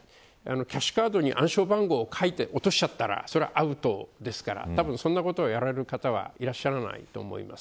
キャッシュカードに暗証番号を書いて落としちゃったらそれはアウトですからそんなことをやられる方はいらっしゃらないと思います。